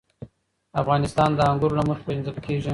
افغانستان د انګور له مخې پېژندل کېږي.